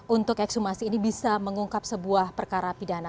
untuk ekshumasi ini bisa mengungkap sebuah perkara pidana